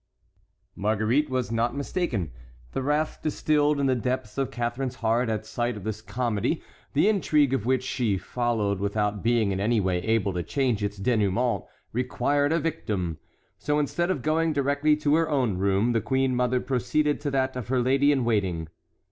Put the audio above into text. Marguerite was not mistaken: the wrath distilled in the depths of Catharine's heart at sight of this comedy, the intrigue of which she followed without being in any way able to change its denouement, required a victim. So instead of going directly to her own room the queen mother proceeded to that of her lady in waiting.